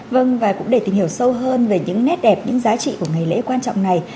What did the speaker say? vâng và cũng để tìm hiểu sâu hơn về những nét đẹp những giá trị của ngày lễ quan trọng này